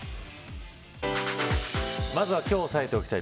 まずは今日押さえておきたい